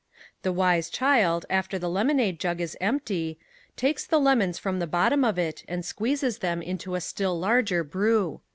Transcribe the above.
The wise child, after the lemonade jug is empty, takes the lemons from the bottom of it and squeezes them into a still larger brew.